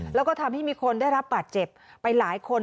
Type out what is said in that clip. แล้วก็ทำให้มีคนได้รับบาดเจ็บไปหลายคน